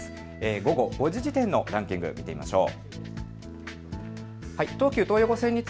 午後５時時点のランキング、見てみましょう。